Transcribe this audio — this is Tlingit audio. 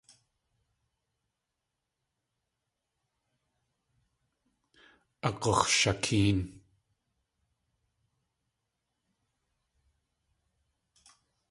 Agux̲shakéen.